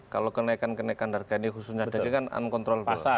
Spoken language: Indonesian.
kalau kenaikan kenaikan harga ini khususnya daging kan uncontrollable